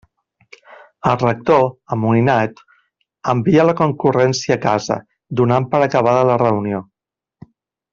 El rector, amoïnat, envia la concurrència a casa, donant per acabada la reunió.